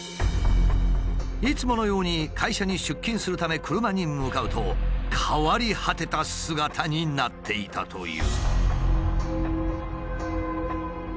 いつものように会社に出勤するため車に向かうと変わり果てた姿になっていたという。